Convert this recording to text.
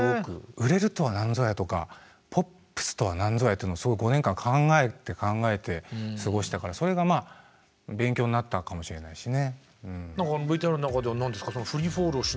売れるとは何ぞやとかポップスとは何ぞやっていうのを５年間考えて考えて過ごしたからそれがまあ勉強になったかもしれないしね。